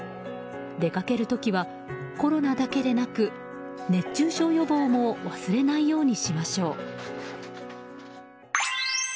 出かける時はコロナだけでなく熱中症予防も忘れないようにしましょう。